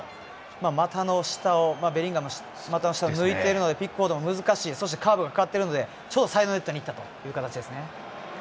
股の下をベリンガムの股の下を抜いてのピックフォードも難しいそしてカーブがかかっているのでサイドネットにいったという形でしたね。